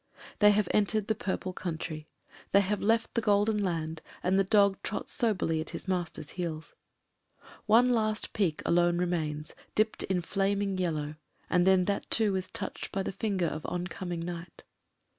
They have en tered the purple country; they have left the golden land, and the dog trots soberly at his master's heels. One last peak alone remains, dipped in flaming yellow, and then that too is touched by the finger of oncoming night.